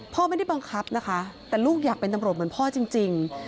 ไม่ได้บังคับนะคะแต่ลูกอยากเป็นตำรวจเหมือนพ่อจริง